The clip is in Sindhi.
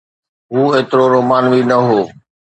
هو ايترو رومانوي نه هو.